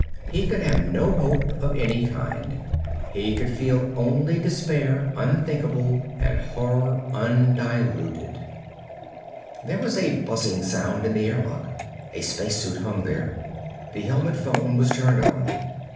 He could have no hope of any kind. He could feel only despair unthinkable and horror undiluted. There was a buzzing sound in the airlock. A space suit hung there. The helmet phone was turned on.